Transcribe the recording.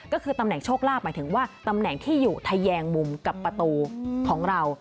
ก็คือตำแหน่งโชคลาภหมายถึงว่าตำแหน่งที่อยู่ทะแยงมุมกับประตูของเรา